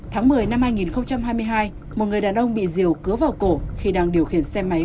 tháng một mươi năm hai nghìn hai mươi hai một người đàn ông bị diều cứa vào cổ khi đang điều khiển xe máy